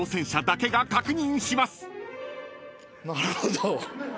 なるほど。